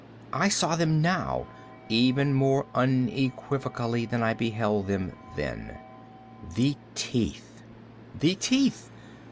I saw them now even more unequivocally than I beheld them then. The teeth!—the teeth!